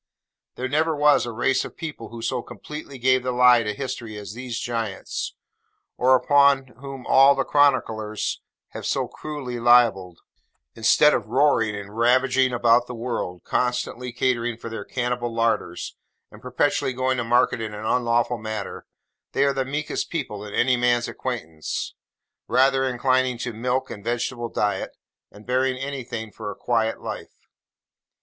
There never was a race of people who so completely gave the lie to history as these giants, or whom all the chroniclers have so cruelly libelled. Instead of roaring and ravaging about the world, constantly catering for their cannibal larders, and perpetually going to market in an unlawful manner, they are the meekest people in any man's acquaintance: rather inclining to milk and vegetable diet, and bearing anything for a quiet life.